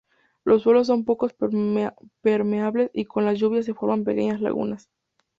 Los suelos son pocos permeables y con las lluvias se forman pequeñas lagunas.